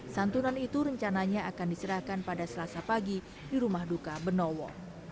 santunan itu rencananya akan diserahkan pada selasa pagi di rumah duka benowo